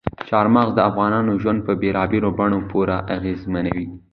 چار مغز د افغانانو ژوند په بېلابېلو بڼو پوره اغېزمنوي.